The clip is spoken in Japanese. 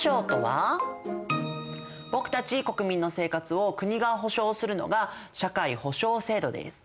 僕たち国民の生活を国が保障するのが社会保障制度です。